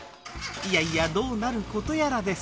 いやいやどうなることやらです